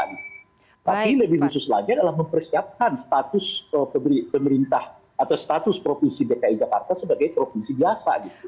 tapi lebih khusus lagi adalah mempersiapkan status pemerintah atau status provinsi dki jakarta sebagai provinsi biasa